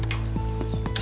terima kasih chandra